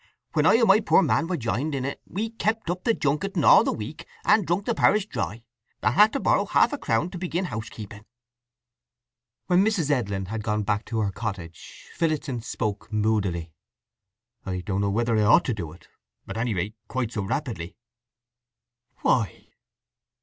When I and my poor man were jined in it we kept up the junketing all the week, and drunk the parish dry, and had to borrow half a crown to begin housekeeping!" When Mrs. Edlin had gone back to her cottage Phillotson spoke moodily. "I don't know whether I ought to do it—at any rate quite so rapidly." "Why?"